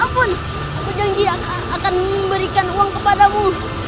kapan aku janji akan memberikan uang kepadamu